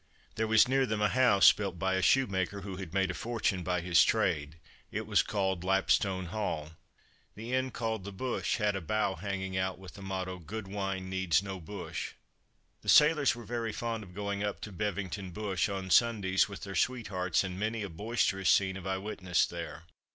There was near them a house built by a shoemaker who had made a fortune by his trade; it was called "Lapstone Hall." The inn called the "Bush" had a bough hanging out with the motto "Good Wine Needs no Bush." The sailors were very fond of going up to Bevington Bush on Sundays with their sweethearts, and many a boisterous scene have I witnessed there.